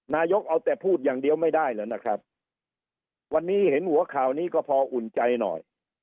นายกเอาแต่พูดอย่างเดียวไม่ได้แล้วนะครับวันนี้เห็นหัวข่าวนี้ก็พออุ่นใจหน่อย